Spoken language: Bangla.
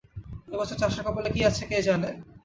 এ বছর চাষার কপালে কী আছে কে জানে!